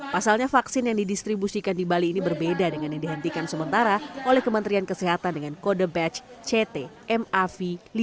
pasalnya vaksin yang didistribusikan di bali ini berbeda dengan yang dihentikan sementara oleh kementerian kesehatan dengan kode batch ctmav lima